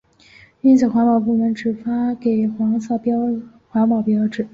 因此环保部门只发给黄色环保标志。